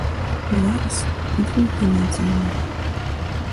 Зараз і другі надзену!